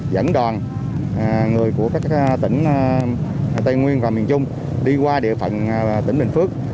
dẫn đoàn người của các tỉnh tây nguyên và miền trung đi qua địa phận tỉnh bình phước